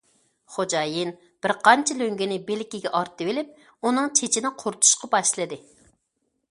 خوجايىن بىرقانچە لۆڭگىنى بىلىكىگە ئارتىۋېلىپ ئۇنىڭ چېچىنى قۇرۇتۇشقا باشلىدى.